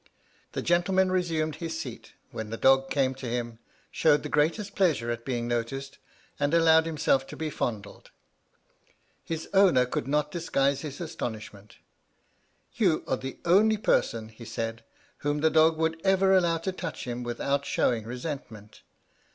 The gentleman resumed his seat, when the dog came to him, showed the greatest pleasure at being noticed, and allowed himself to be fondled. His owner could not disguise his astonishment. "You are the only person," he said, "whom that dog would ever allow to touch him without showing resentment.